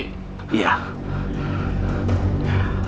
itu bukan hoga